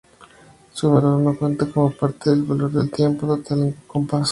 Su valor no cuenta como parte del valor del tiempo total del compás.